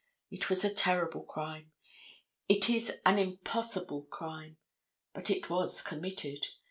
It was a terrible crime. It is an impossible crime. But it was committed.